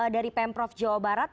dari pemprov jawa barat